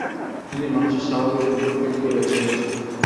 তিনি মানুষের স্বাভাবিক মুখাকৃতিকে বেছে নিয়েছেন।